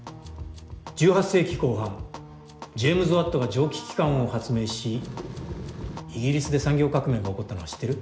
１８世紀後半ジェームズ・ワットが蒸気機関を発明しイギリスで産業革命が起こったのは知ってる？